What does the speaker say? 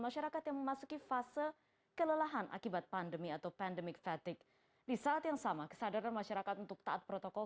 selamat malam mbak